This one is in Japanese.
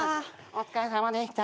お疲れさまでした。